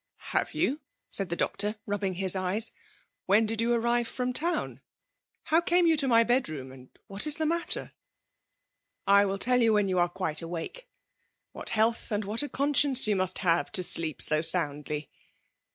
''Have youP*' said the doctor, rubbing his eyes. "When did you arrive from town? 256 FEIIAJ.S DOMINikXXO»(. How came you in my bed ioom, and wl»t k the matter ?"' I will tell you when you are quile awake. What health and what a conscience you must have, to sleep so soundly.'"